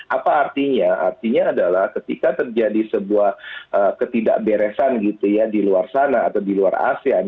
apa artinya artinya adalah ketika terjadi sebuah ketidakberesan gitu ya di luar sana atau di luar asean